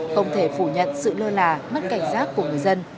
không thể phủ nhận sự lơ là mất cảnh giác của người dân